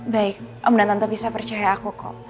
baik om dan tante bisa percaya aku kok